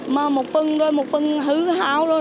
mà một phần rồi một phần hư hào rồi